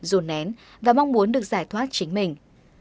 dù nén và mong muốn được giải thoát chính mình